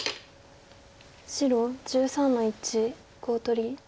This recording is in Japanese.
白１３の一コウ取り。